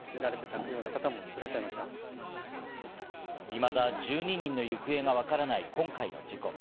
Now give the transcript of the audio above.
いまだ１２人の行方がわからない今回の事故。